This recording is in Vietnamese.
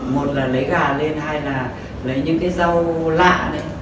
một là lấy gà lên hai là lấy những cái rau lạ đấy